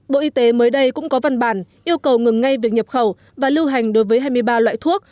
bộ y tế mới đây cũng có văn bản yêu cầu ngừng ngay việc nhập khẩu và lưu hành đối với hai mươi ba loại thuốc